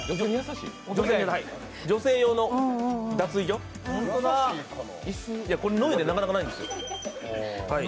女性用の脱衣所、野湯でなかなかないんですよ。